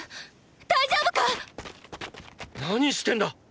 大丈夫か⁉何してんだ！！